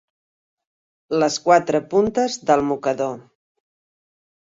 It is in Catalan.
Les quatre puntes del mocador.